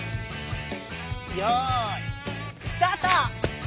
よいスタート！